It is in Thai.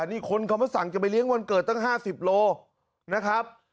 นี่คนเขามาสั่งจะไปเลี้ยงวันเกิดตั้ง๕๐โลนะครับ